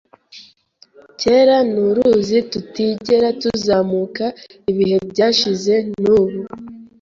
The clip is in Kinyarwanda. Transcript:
Kera ni uruzi tutigera tuzamuka Ibihe byashize nubu .